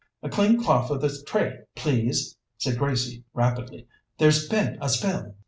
"A clean cloth for this tray, please," said Gracie rapidly. "There's been a spill."